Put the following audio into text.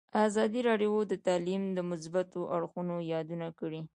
ازادي راډیو د تعلیم د مثبتو اړخونو یادونه کړې.